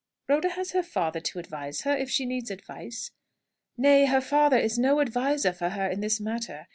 "Rhoda has her father to advise her, if she needs advice." "Nay; her father is no adviser for her in this matter.